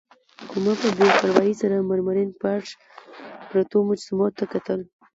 خو ما په بې پروايي سره مرمرین فرش، پرتو مجسمو ته کتل.